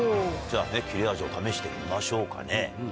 じゃあ切れ味を試してみましょうかね。